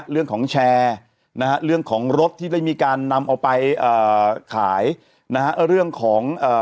แชร์นะฮะเรื่องของรถที่ได้มีการนำเอาไปเอ่อขายนะฮะเรื่องของเอ่อ